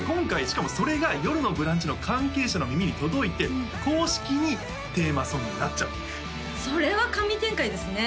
しかもそれが「よるのブランチ」の関係者の耳に届いて公式にテーマソングになっちゃったそれは神展開ですね